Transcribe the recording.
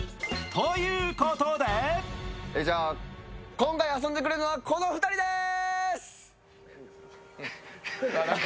今回遊んでくれるのはこの２人でーす！